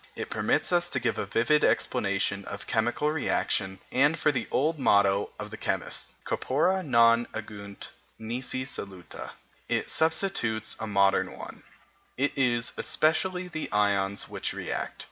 It permits us to give a vivid explanation of chemical reaction, and for the old motto of the chemists, "Corpora non agunt, nisi soluta," it substitutes a modern one, "It is especially the ions which react."